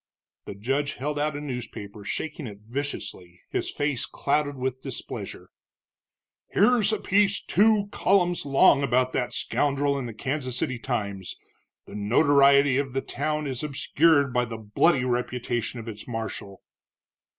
The judge held out a newspaper, shaking it viciously, his face clouded with displeasure. "Here's a piece two columns long about that scoundrel in the Kansas City Times the notoriety of the town is obscured by the bloody reputation of its marshal."